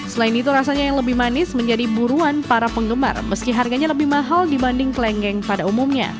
selain itu rasanya yang lebih manis menjadi buruan para penggemar meski harganya lebih mahal dibanding kelenggeng pada umumnya